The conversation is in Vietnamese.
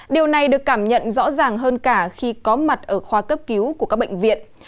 điều này được cảm nhận rõ ràng hơn cả khi có mặt ở khoa cấp cứu của các bệnh viện